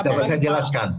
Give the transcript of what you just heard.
tidak bisa saya jelaskan